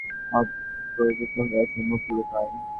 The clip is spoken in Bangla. অপ্রতিভ হইয়া সে মুখ লুকায়।